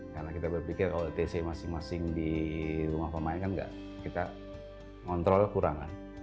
karena kita berpikir kalau tc masing masing di rumah pemain kan kita ngontrol kurang kan